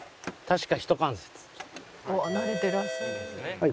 はい。